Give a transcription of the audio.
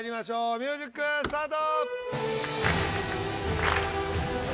ミュージックスタート。